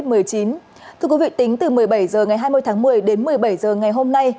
từ một mươi bảy h ngày hai mươi tháng một mươi đến một mươi bảy h ngày hôm nay